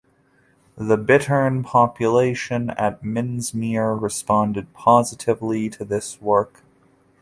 The bittern population at Minsmere responded positively to this work.